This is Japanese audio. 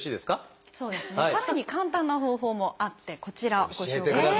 さらに簡単な方法もあってこちらをご紹介します。